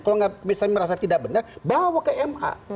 kalau misalnya merasa tidak benar bawa ke ma